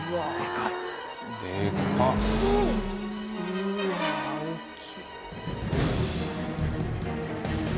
「うわ大きい」